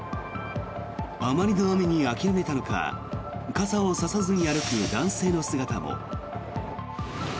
あまりの雨に諦めたのか傘を差さずに歩く男性の姿も。